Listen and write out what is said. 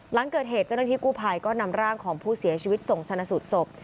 หลังเกิดเหตุเจ้าหน้าที่กู้ภัยก็นำร่างของผู้เสียชีวิตส่งชนะสูตรศพ